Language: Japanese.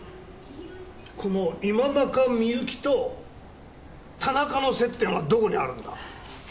この今中みゆきと田中の接点はどこにあるんだ？